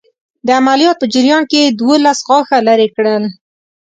د عملیات په جریان کې یې دوولس غاښه لرې کړل.